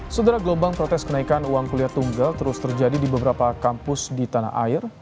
sederah gelombang protes kenaikan uang kuliah tunggal terus terjadi di beberapa kampus di tanah air